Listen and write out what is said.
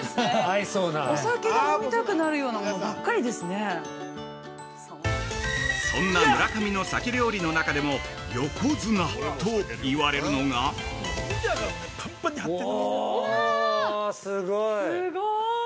◆そんな村上の鮭料理の中でも横綱と言われるのが◆